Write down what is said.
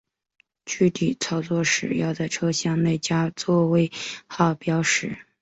具体操作时要在车厢内加座位号标识。